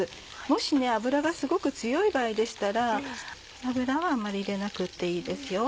もし脂がすごく強い場合でしたら油はあんまり入れなくていいですよ。